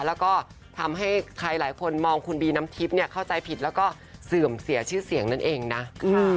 แล้วก็ทำให้ใครหลายคนมองคุณบีน้ำทิพย์เนี่ยเข้าใจผิดแล้วก็เสื่อมเสียชื่อเสียงนั่นเองนะ